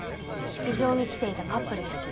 式場に来ていたカップルです。